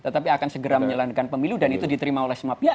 tapi akan segera menyelenggarkan pemilu dan itu diterima oleh semuanya